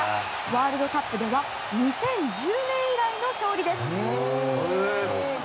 ワールドカップでは２０１０年以来の勝利です。